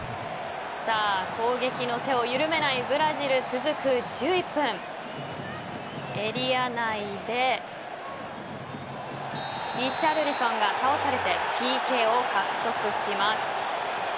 攻撃の手を緩めないブラジル続く１１分エリア内でリシャルリソンが倒されてＰＫを獲得します。